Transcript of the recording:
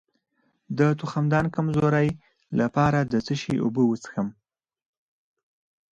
د تخمدان د کمزوری لپاره د څه شي اوبه وڅښم؟